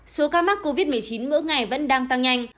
số ca mắc covid một mươi chín mỗi ngày vẫn đang tăng nhanh